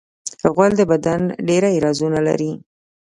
غول د بدن ډېری رازونه لري.